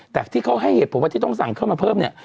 แต่ที่เขาให้เหตุผลว่าที่ต้องสั่งเข้ามาเพิ่มเนี่ย